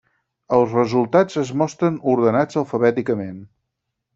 Els resultats es mostren ordenats alfabèticament.